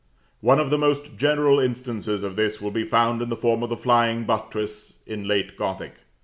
One of the most general instances of this will be found in the form of the flying buttress in late Gothic.